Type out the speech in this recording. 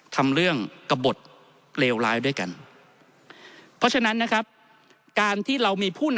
ทำเรื่องกระบดเลวร้ายด้วยกัน